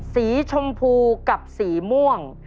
สีชมพูกับสีม่วง